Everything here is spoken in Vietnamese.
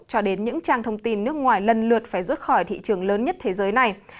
cho đến những trang thông tin nước ngoài lần lượt phải rút khỏi thị trường lớn nhất thế giới này